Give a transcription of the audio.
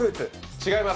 違います。